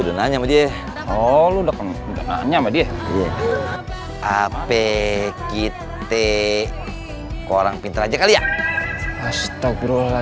udah nanya sama dia oh udah nanya sama dia apkt orang pintar aja kali ya astagfirullah